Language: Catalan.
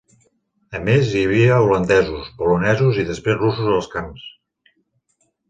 A més, hi havia holandesos, polonesos i després russos als camps.